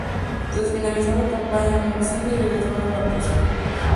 Tras finalizar la campaña Mursili regresó a Hattusa.